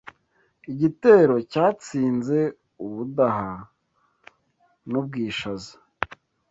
Igitero cyatsinze u Budaha n’u Bwishaza